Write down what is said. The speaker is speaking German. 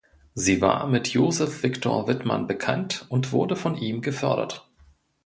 Sie war mit Joseph Victor Widmann bekannt und wurde von ihm gefördert.